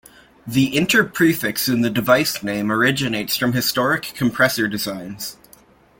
The inter prefix in the device name originates from historic compressor designs.